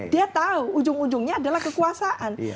dia tahu ujung ujungnya adalah kekuasaan